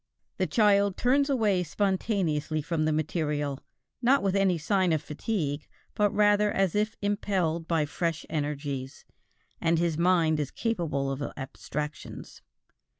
The child turns away spontaneously from the material, not with any signs of fatigue, but rather as if impelled by fresh energies, and his mind is capable of abstractions.